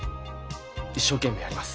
一生懸命やります。